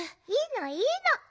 いいのいいの。